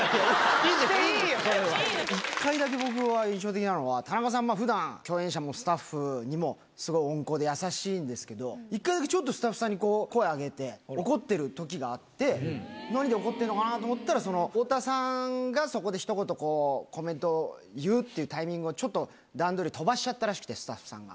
いいんですよ、いいんですよ、１回だけ僕は、印象的なのは、田中さん、ふだん、共演者もスタッフにもすごい温厚で優しいんですけど、１回だけちょっとスタッフさんに声を上げて、怒ってるときがあって、何で怒ってるのかなと思ったら、太田さんがそこでひと言、コメントを言うっていうタイミングをちょっと段取り飛ばしちゃったらしくて、スタッフさんが。